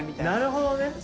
なるほどね。